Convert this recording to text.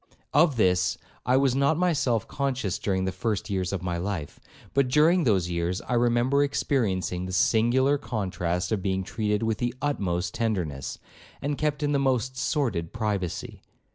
Of this I was not myself conscious during the first years of my life; but during those years, I remember experiencing the singular contrast of being treated with the utmost tenderness, and kept in the most sordid privacy.